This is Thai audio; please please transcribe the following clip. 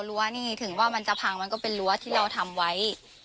รั้วนี่ถึงว่ามันจะพังมันก็เป็นรั้วที่เราทำไว้